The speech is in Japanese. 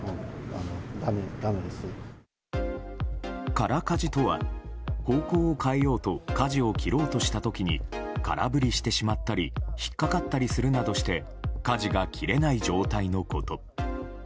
空かじとは方向を変えようとかじを切ろうとした時に空振りしてしまったり引っかかったりするなどしてかじが切れない状態のこと。